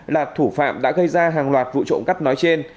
là thủ phạm đã gây ra hàng loạt vụ trộm cắp nói trên